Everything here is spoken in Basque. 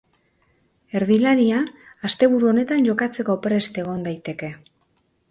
Erdilaria, asteburu honetan jokatzeko prest egon daiteke.